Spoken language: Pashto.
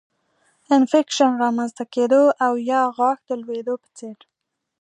انفکشن رامنځته کېدو او یا غاښ د لوېدو په څېر